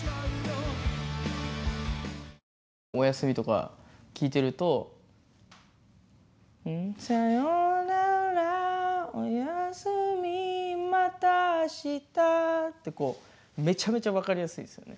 「おやすみ」とか聴いてると「さよならおやすみまた明日」ってこうめちゃめちゃ分かりやすいですよね